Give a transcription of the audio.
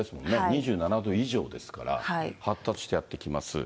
２７度以上ですから、発達してやって来ます。